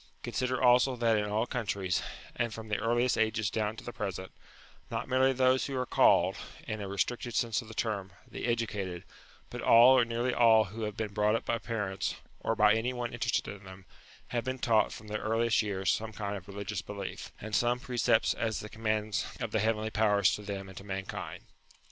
Consider also that in all countries, and from the earliest ages down to the present, not merely those who are called, in a re stricted sense of the term, the educated, but all or nearly all who have been brought up by parents, or by any one interested in them, have been taught from their earliest years some kind of religious belief, and some precepts as the commands of the heavenly powers to them and to mankind.